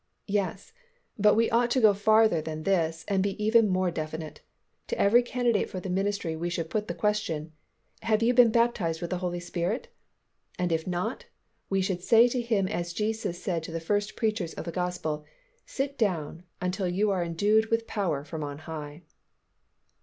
Yes, but we ought to go farther than this and be even more definite; to every candidate for the ministry we should put the question, "Have you been baptized with the Holy Spirit?" and if not, we should say to him as Jesus said to the first preachers of the Gospel, "Sit down until you are endued with power from on high."